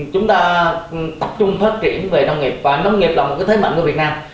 chúng ta tập trung phát triển về nông nghiệp và nông nghiệp là một thế mạnh của việt nam